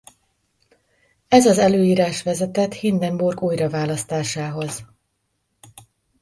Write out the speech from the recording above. Ez az előírás vezetett Hindenburg újraválasztásához.